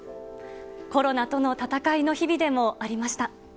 コロナとの闘いの日々でもありました。